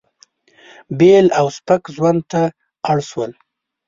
بېل او سپک ژوند ته اړ شول.